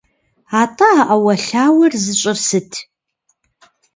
АтӀэ а Ӏэуэлъауэр зыщӀыр сыт?